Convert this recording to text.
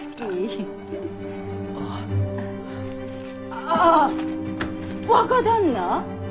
ああ若旦那？